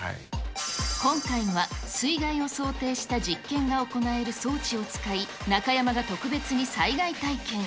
今回は水害を想定した実験が行える装置を使い、中山が特別に災害体験。